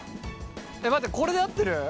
待ってこれで合ってる？